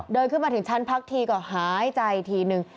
เดินขึ้นมาถึงชั้นพักทีก็หายใจทีนึง